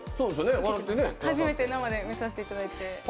初めて生で見させていただいて。